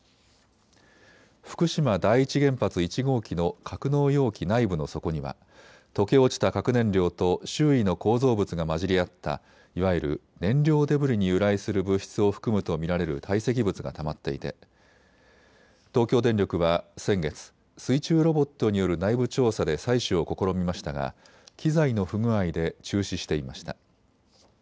福島第一原発１号機の格納容器内部の底には溶け落ちた核燃料と周囲の構造物が混じり合ったいわゆる燃料デブリに由来する物質を含むと見られる堆積物がたまっていて東京電力は先月、水中ロボットによる内部調査で採取を試みましたが機材の不具合で中止していました。